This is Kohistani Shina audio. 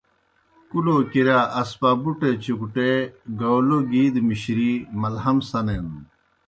کُلو کِرِیا اسپابُٹے چُکٹےگاؤلو گِی دہ مِشرِی مَلہَم سنینَن۔